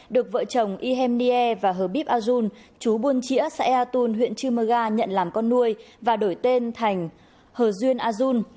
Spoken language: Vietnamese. được vợ chồng ihem nie và hờ bíp a jun chú buôn chĩa saeatun huyện chư mơ ga nhận làm con nuôi và đổi tên thành hờ duyên a jun